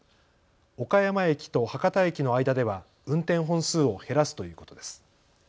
岡山駅と博多駅の間では運転本数を減らすということです。